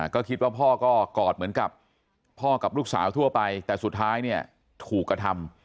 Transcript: ก็คิดว่าพ่อก็กอดเหมือนกับพ่อกับลูกสาวทั่วไปแต่สุดท้ายเนี่ยถูกกระทำ